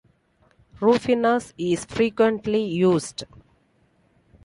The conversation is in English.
Rufinus is frequently used.